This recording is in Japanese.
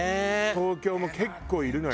東京も結構いるのよ。